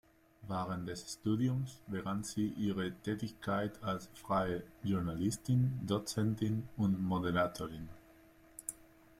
Während des Studiums begann sie ihre Tätigkeit als freie Journalistin, Dozentin und Moderatorin.